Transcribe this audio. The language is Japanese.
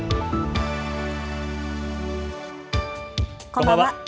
こんばんは。